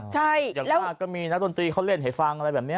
อย่างว่าก็มีนักดนตรีเขาเล่นให้ฟังอะไรแบบนี้